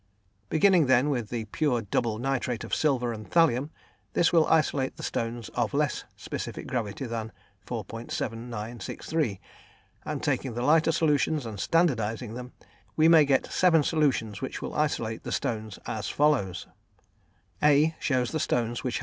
Beginning then with the pure double nitrate of silver and thallium, this will isolate the stones of less specific gravity than 4.7963, and taking the lighter solutions and standardising them, we may get seven solutions which will isolate the stones as follows: A {shows the stones which have} 4.